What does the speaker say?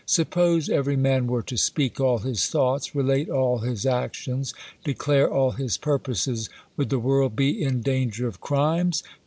Suppose every man were to speak all his thoughts, relate all his actions, declare all his purposes, would the world be in danger of crimes